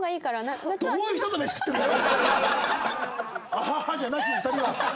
「アハハ！」じゃなしに２人は。